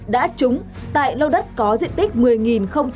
đã trúng tại lô đất có diện tích